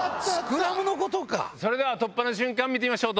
それでは突破の瞬間見てみましょう。